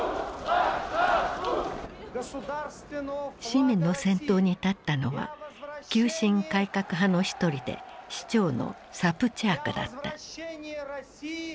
市民の先頭に立ったのは急進改革派の一人で市長のサプチャークだった。